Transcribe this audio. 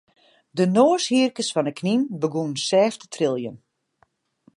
De noashierkes fan de knyn begûnen sêft te triljen.